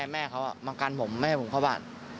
แม่เขามากันผมไม่ให้ผมเข้าบ้าน